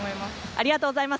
ありがとうございます。